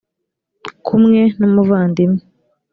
kumwe n’ umuvandimwe.